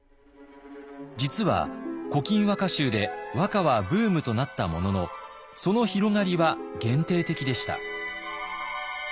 実は「古今和歌集」で和歌はブームとなったもののその広がりは限定的でした。